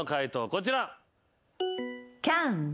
こちら。